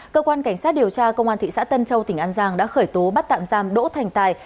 cơ quan cảnh sát điều tra công an thị xã tân châu tỉnh an giang đã khởi tố bắt tạm giam đỗ thành tài